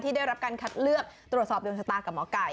ได้รับการคัดเลือกตรวจสอบดวงชะตากับหมอไก่